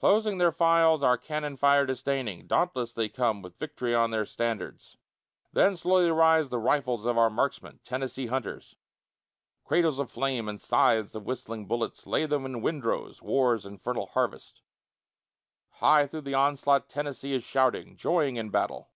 Closing their files, our cannon fire disdaining, Dauntless they come with vict'ry on their standards; Then slowly rise the rifles of our marksmen, Tennessee hunters. Cradles of flame and scythes of whistling bullets Lay them in windrows, war's infernal harvest. High through the onslaught Tennessee is shouting, Joying in battle.